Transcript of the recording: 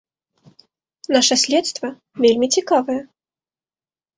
Наша следства вельмі цікавае.